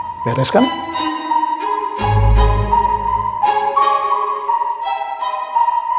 dan mencari sponsor yang baru saja